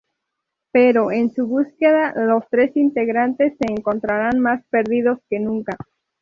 Pero, en su búsqueda los tres integrantes se encontrarán más perdidos que nunca.